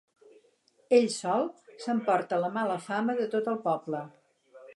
Ell sol s'emporta la mala fama de tot el poble.